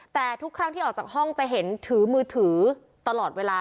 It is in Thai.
แต่ทุกครั้งที่ออกจากห้องจะเห็นถือมือถือตลอดเวลา